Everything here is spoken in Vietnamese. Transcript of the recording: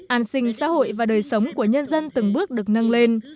an sinh xã hội và đời sống của nhân dân từng bước được nâng lên